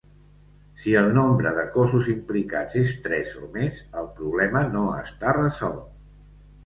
Si el nombre de cossos implicats és tres o més el problema no està resolt.